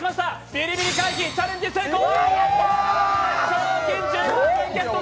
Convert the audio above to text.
ビリビリ回避、チャレンジ成功！